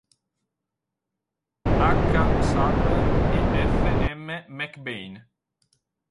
H. Sadler e F. M. McBain.